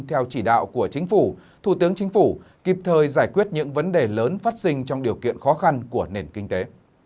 theo chỉ đạo của chính phủ thủ tướng chính phủ kịp thời giải quyết những vấn đề lớn phát sinh trong điều kiện khó khăn của nền kinh tế